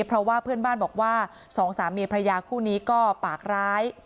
เพราะว่าเพื่อนบ้านบอกว่าสองสามีพระยาคู่นี้ก็ปากร้าย